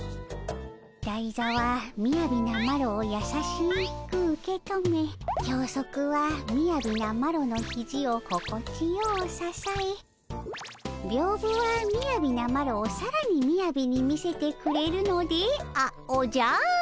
だいざはみやびなマロをやさしく受け止めきょうそくはみやびなマロのひじを心地ようささえびょうぶはみやびなマロをさらにみやびに見せてくれるのであおじゃる。